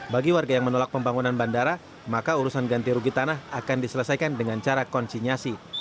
bagi warga yang menolak pembangunan bandara maka urusan ganti rugi tanah akan diselesaikan dengan cara konsinyasi